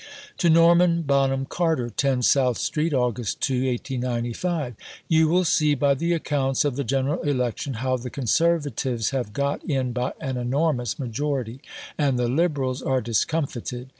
(To Norman Bonham Carter.) 10 SOUTH STREET, August 2 .... You will see by the accounts of the General Election how the Conservatives have got in by an enormous majority, and the Liberals are discomfited.